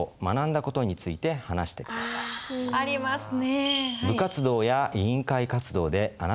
ありますね。